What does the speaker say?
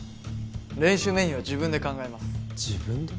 練習メニューは自分で考えます自分で？